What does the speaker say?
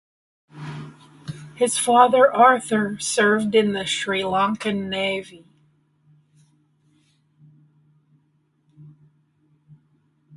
His father Arthur served in the Sri Lankan Navy.